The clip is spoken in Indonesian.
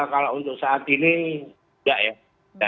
kalau untuk saat ini enggak ya